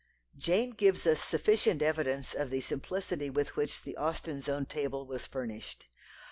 Jane gives us sufficient evidence of the simplicity with which the Austens' own table was furnished.